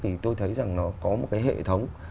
thì tôi thấy rằng nó có một cái hệ thống